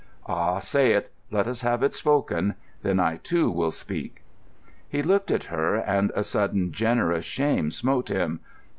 "Ah, say it; let us have it spoken. Then I, too, will speak." He looked at her, and a sudden generous shame smote him.